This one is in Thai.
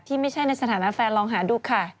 ที่ไม่ใช่ในสถานภาพว่างหาดูค่ะ